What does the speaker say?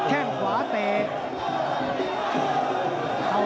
ตามต่อยกที่สองครับ